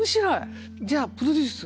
じゃあプロデュース。